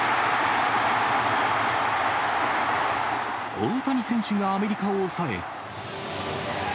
大谷選手がアメリカを抑え。